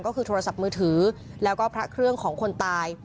ก็คือโทรศัพท์มือถือแล้วก็พระเครื่องของคนตาย